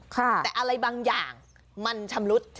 แต่อะไรบางอย่างมันชำรุด